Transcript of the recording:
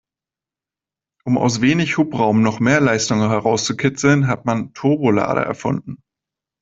Um aus wenig Hubraum noch mehr Leistung herauszukitzeln, hat man Turbolader erfunden.